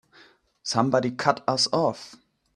Somebody cut us off!